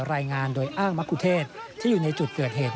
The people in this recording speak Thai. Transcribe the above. รายงานโดยอ้างมะกุเทศที่อยู่ในจุดเกิดเหตุ